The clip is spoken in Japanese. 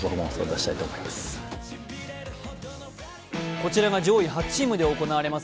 こちらが上位８チームで行われます